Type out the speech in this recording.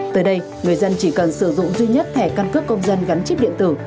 tới đây người dân chỉ cần sử dụng duy nhất thẻ căn cước công dân gắn chip điện tử